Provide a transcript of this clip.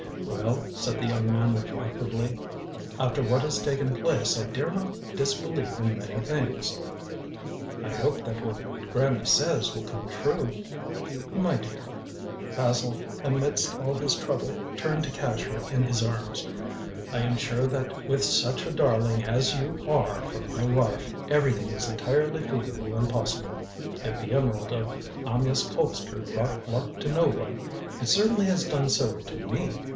"Well," said the young man reflectively, "after what has taken place I dare not disbelieve in many things." "I hope that what Granny says will come true." "My dear," Basil amidst all his trouble turned to catch her in his arms, "I am sure that with such a darling as you are for my wife everything is entirely feasible and possible. If the emerald of Amyas Colpster brought luck to no one, it certainly has done so to me.